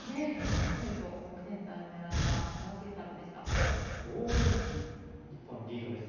しっかりとセンターに狙ったすばらしいサーブでした。